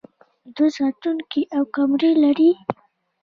دوی ساتونکي او کمرې لري.